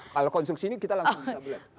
kalau konstruksi ini kita langsung bisa bilang